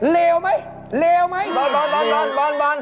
เลวไหมเลวไหมบอลบาน